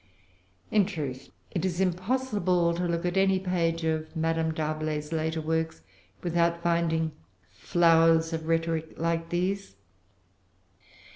In truth, it is impossible to look at any page of Madame D'Arblay's later works without finding flowers of rhetoric like these.